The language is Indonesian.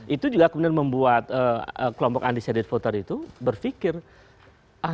itu juga kemudian membuat kelompok undecided voter itu berubah